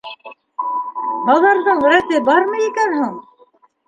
Баҙарҙың рәте бармы икән һуң?